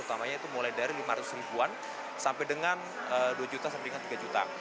utamanya itu mulai dari lima ratus ribuan sampai dengan dua juta sampai dengan tiga juta